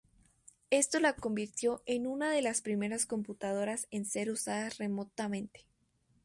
Esto la convirtió en una de las primeras computadoras en ser usadas remotamente.